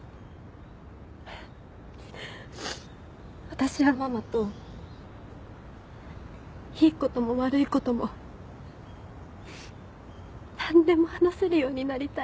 私はママといいことも悪いことも何でも話せるようになりたい。